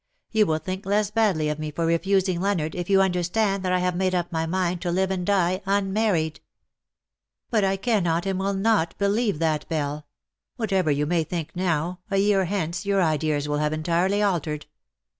You will think less badly of me for refusing Leonard if you understand that I have made up my mind to live and die unmarried/^ '' But I cannot and will not believe that^ Belle : whatever you may think now^ a year hence your ideas will have entirely altered.